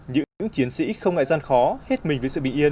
những chiến sĩ không ngại gian khó hết mình với sự bị yên của nhân dân